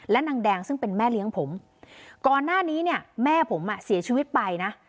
และนางแดงซึ่งเป็นแม่เลี้ยงผมก่อนหน้านี้เนี่ยแม่ผมอ่ะเสียชีวิตไปนะ